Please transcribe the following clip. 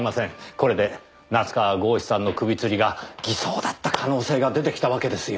これで夏河郷士さんの首つりが偽装だった可能性が出てきたわけですよ。